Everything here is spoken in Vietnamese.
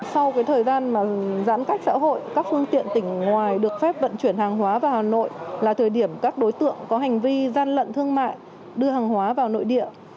sau thời gian giãn cách xã hội các phương tiện tỉnh ngoài được phép vận chuyển hàng hóa vào hà nội là thời điểm các đối tượng có hành vi gian lận thương mại đưa hàng hóa vào nội địa